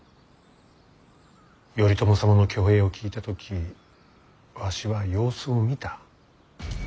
頼朝様の挙兵を聞いた時わしは様子を見た。